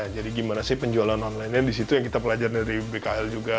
jadi gimana sih penjualan onlinenya di situ yang kita pelajari dari bkl juga